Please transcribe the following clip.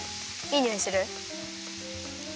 いいにおいする？